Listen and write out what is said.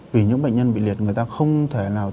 vì những bệnh nhân bị liệt người ta không thể nào